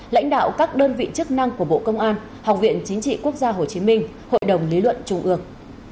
lãnh đạo các đơn vị chức năng của bộ công an học viện chính trị quốc gia hồ chí minh hội đồng lý luận trung ương